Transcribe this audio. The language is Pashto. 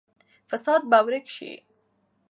فساد به ورک شي.